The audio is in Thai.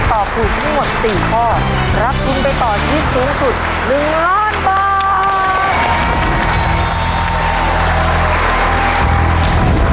และถูกดีตอบถูกทั้งหมดสี่ข้อรับทุนไปต่อชีวิตสูงสุดหนึ่งร้อนบาท